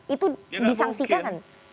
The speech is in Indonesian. itu disangsikan kan